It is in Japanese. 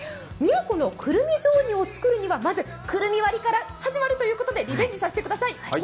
宮古のくるみ雑煮を作るにはまずくるみ割りから始まるということでリベンジさせてください。